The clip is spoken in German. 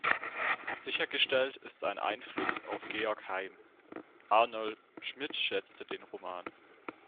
Sichergestellt ist ein Einfluss auf Georg Heym; Arno Schmidt schätzte den Roman.